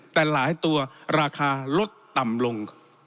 แต่หลายตัวราคาลดต่ำลง